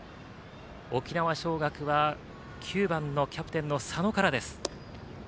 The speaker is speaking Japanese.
沖縄尚学は９番のキャプテンの佐野からです。